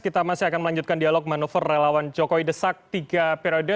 kita masih akan melanjutkan dialog manuver relawan jokowi desak tiga periode